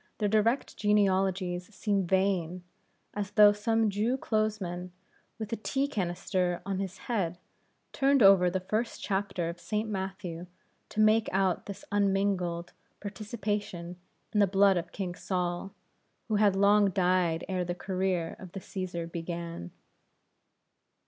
their direct genealogies seem vain as though some Jew clothesman, with a tea canister on his head, turned over the first chapter of St. Matthew to make out his unmingled participation in the blood of King Saul, who had long died ere the career of the Cæsar began.